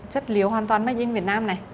chất liệu hoàn toàn make in việt nam này